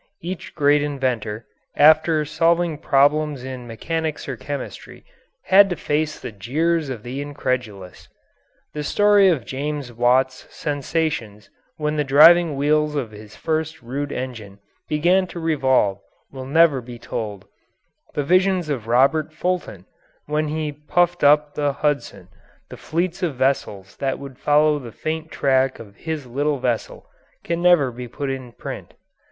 Each great inventor, after solving problems in mechanics or chemistry, had to face the jeers of the incredulous. The story of James Watt's sensations when the driving wheels of his first rude engine began to revolve will never be told; the visions of Robert Fulton, when he puffed up the Hudson, of the fleets of vessels that would follow the faint track of his little vessel, can never be put in print.